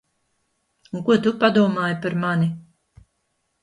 Un ko tu padomāji par mani?